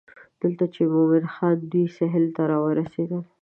دلته چې مومن خان دوی سهیل ته راورسېدل.